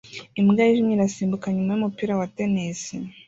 Imbwa yijimye irasimbuka nyuma yumupira wa tennis